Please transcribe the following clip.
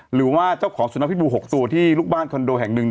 หรือว่าเจ้าของสุนัขพิบู๖ตัวที่ลูกบ้านคอนโดแห่งหนึ่ง